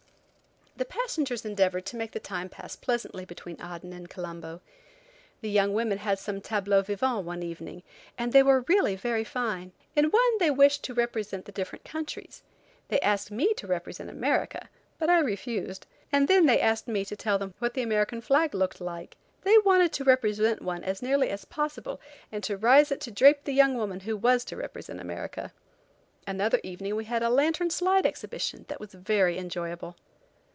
The passengers endeavored to make the time pass pleasantly between Aden and Colombo. The young women had some tableaux vivants one evening, and they were really very fine. In one they wished to represent the different countries. They asked me to represent America, but I refused, and then they asked me to tell them what the American flag looked like! They wanted to represent one as nearly as possible and to rise it to drape the young woman who was to represent America. Another evening we had a lantern slide exhibition that was very enjoyable.